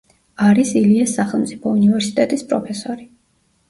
არის ილიას სახელმწიფო უნივერსიტეტის პროფესორი.